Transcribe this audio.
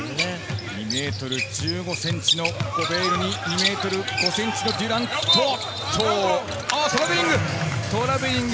２ｍ１５ｃｍのゴベールに２ｍ５ｃｍのデュラント、トラベリング。